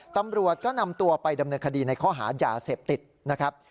ตำรวจก็นำตัวไปดำเนินคดีในข้อหายาเสพติดนะครับ